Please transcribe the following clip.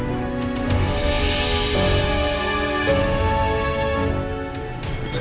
saya pun juga tahu